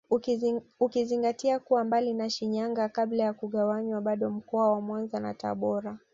Ukizingatia kuwa mbali na Shinyanga kabla ya kugawanywa bado mkoa wa Mwanza na Tabora